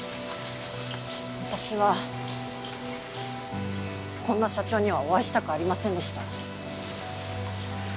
私はこんな社長にはお会いしたくありませんでした。